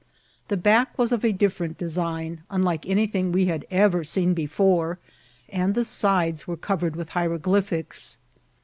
The back was of a different design, unlike anything we had ever seen before, and the sides were covered with hieroglyphics.